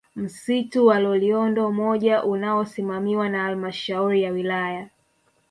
Msitu wa Loliondo moja unaosimamiwa na Halmashauri ya Wilaya